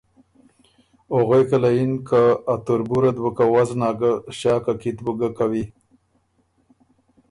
او غوېکه له یِن که ”ا تُربُورت بُو که وزنا ګۀ، ݭاکه کی ت بُو ګۀ کوی“